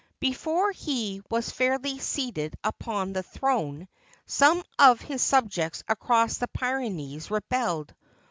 Before he was fairly seated upon the throne, some of his subjects across the Pyrenees rebelled.